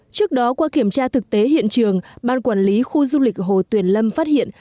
trước đó qua kiểm tra thực tế hiện trường ban quản lý khu du lịch hồ tuyền lâm phát hiện